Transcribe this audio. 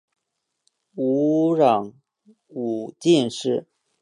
吴襄武进士。